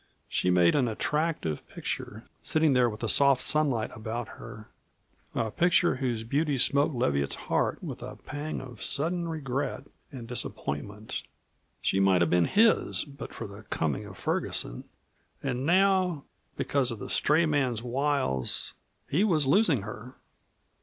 She made an attractive picture, sitting there with the soft sunlight about her, a picture whose beauty smote Leviatt's heart with a pang of sudden regret and disappointment. She might have been his, but for the coming of Ferguson. And now, because of the stray man's wiles, he was losing her.